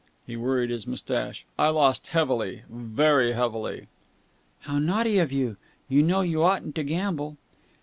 He worried his moustache. "I lost heavily, very heavily." "How naughty of you! You know you oughtn't to gamble."